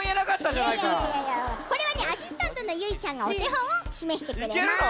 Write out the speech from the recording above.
これはねアシスタントのゆいちゃんがおてほんをしめしてくれます。